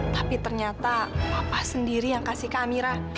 tapi ternyata papa sendiri yang kasih ke amira